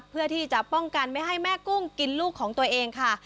เพื่อที่จะป้องกันไม่ให้แม่กุ้งกินลูกของตัวเองค่ะ